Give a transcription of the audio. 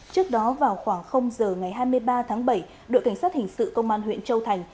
trước đó vào khoảng giờ ngày hai mươi ba tháng bảy đội cảnh sát hình sự công an huyện châu thành